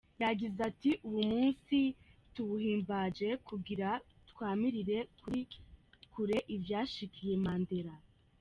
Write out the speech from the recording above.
Yagize ati: "Uwu musi tuwuhimbaje kugira twamirire kure ivyashikiye Mandela.